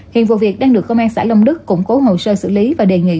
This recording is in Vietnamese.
hiện vụ việc đang được công an xã long đức củng cố hồ sơ xử lý và đề nghị